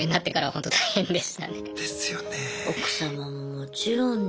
ですよね。